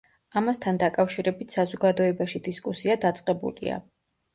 ამასთან დაკავშირებით საზოგადოებაში დისკუსია დაწყებულია.